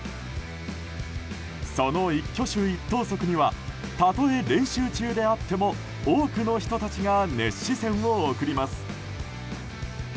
その一挙手一投足にはたとえ練習中であっても多くの人たちが熱視線を送ります。